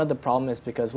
saya pikir salah satu masalah